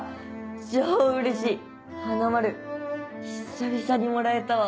超うれしい！はなまる久々にもらえたわ。